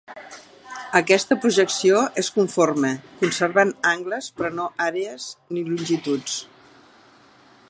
Aquesta projecció és conforme, conservant angles però no àrees ni longituds.